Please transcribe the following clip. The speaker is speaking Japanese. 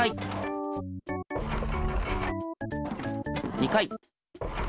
２回。